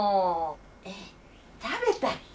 えっ食べたっけ？